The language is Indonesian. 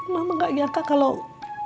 mama gak nyangka kalau